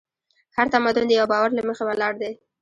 هر تمدن د یوه باور له مخې ولاړ دی.